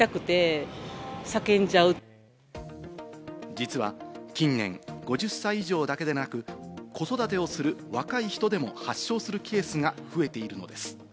実は近年、５０歳以上だけでなく、子育てをする若い人でも発症するケースが増えているのです。